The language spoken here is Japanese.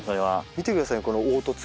見て下さいこの凹凸。